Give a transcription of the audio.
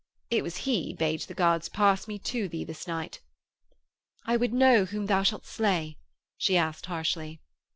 It was he bade the guards pass me to thee this night.' 'I would know whom thou shalt slay,' she asked harshly.